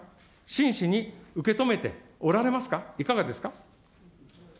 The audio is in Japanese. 真摯に受け止めておられますか、いかがですか。